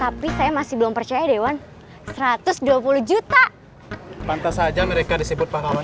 tapi saya masih belum percaya dewan satu ratus dua puluh juta pantas saja mereka disebut pahlawan